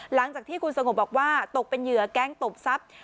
หลังจากที่คุณสงบบอกว่าตกเป็นเหยื่อแก๊งตบทรัพย์